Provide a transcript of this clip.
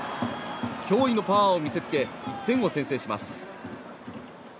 驚異のパワーを見せつけ１点を先制します。